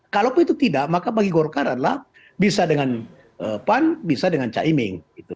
kalaupun itu tidak maka bagi golkar adalah bisa dengan pan bisa dengan caimin